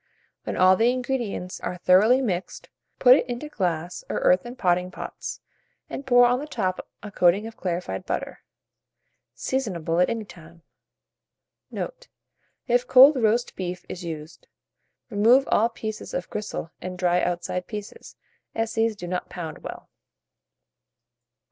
When all the ingredients are thoroughly mixed, put it into glass or earthen potting pots, and pour on the top a coating of clarified butter. Seasonable at any time. Note. If cold roast beef is used, remove all pieces of gristle and dry outside pieces, as these do not pound well.